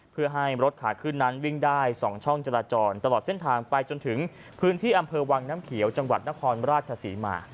เพื่อให้รถขาขึ้นนั้นวิ่งได้๒ช่องจราจรตลอดเส้นทางไปจนถึงพื้นที่อำเภอวังน้ำเขียวจังหวัดนครราชศรีมา